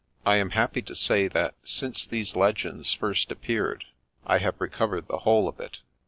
I am happy to say that, since these Legends first appeared, I have recovered the whole of it.